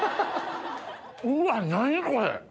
うわ何これ！